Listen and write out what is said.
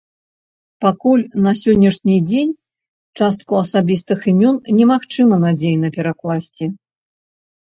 Пакуль на сённяшні дзень частку асабістых імён не магчыма надзейна перакласці.